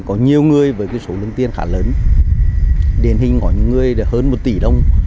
có nhiều người với số lương tiền khá lớn điển hình có nhiều người hơn một tỷ đồng